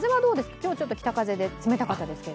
今日はちょっと北風で冷たかったですけど。